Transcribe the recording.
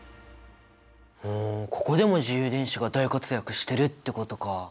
ふんここでも自由電子が大活躍してるってことか！